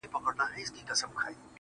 • زه لاس په سلام سترگي راواړوه.